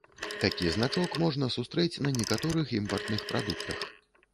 Такі значок можна сустрэць на некаторых імпартных прадуктах.